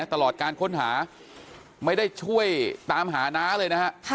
ตลอดการค้นหาไม่ได้ช่วยตามหาน้าเลยนะฮะ